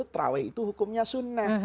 taraweh itu hukumnya sunnah